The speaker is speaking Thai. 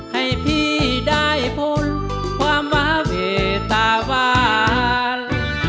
ให้พี่ได้พลความวะเวตาวาล